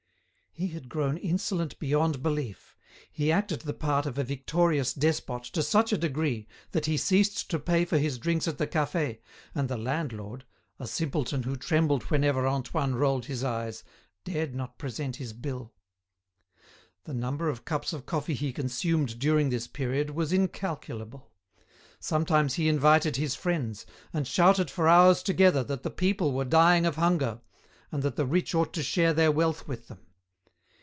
He had grown insolent beyond belief; he acted the part of a victorious despot to such a degree that he ceased to pay for his drinks at the cafe, and the landlord, a simpleton who trembled whenever Antoine rolled his eyes, dared not present his bill. The number of cups of coffee he consumed during this period was incalculable; sometimes he invited his friends, and shouted for hours together that the people were dying of hunger, and that the rich ought to share their wealth with them.